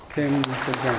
xin chân trọng cảm ơn